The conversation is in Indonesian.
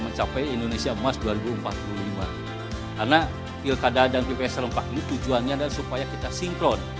mencapai indonesia mas dua ribu empat puluh lima karena pilkada dan ppst lombaku tujuannya dan supaya kita sinkron